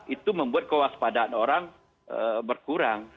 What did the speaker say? itu membuat kewaspadaan orang berkurang